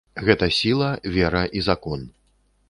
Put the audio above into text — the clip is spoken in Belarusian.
Гэта сіла, вера і закон.